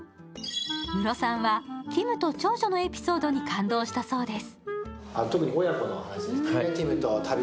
ムロさんはティムと長女のエピソードに感動したそうです。